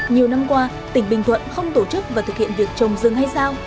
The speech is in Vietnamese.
nhiều năm qua tỉnh bình thuận không tổ chức và thực hiện việc trồng rừng hay giao